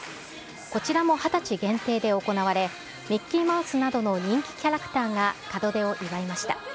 こちらも２０歳限定で行われ、ミッキーマウスなどの人気キャラクターが門出を祝いました。